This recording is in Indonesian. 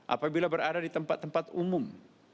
apabila berada di tempat tempat umum